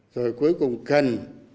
rồi cuối cùng cần